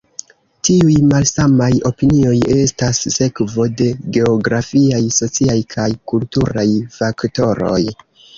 Tiuj malsamaj opinioj estas sekvo de geografiaj, sociaj kaj kulturaj faktoroj.